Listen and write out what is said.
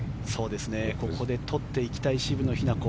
ここで取っていきたい渋野日向子。